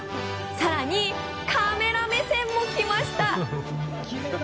更に、カメラ目線もきました！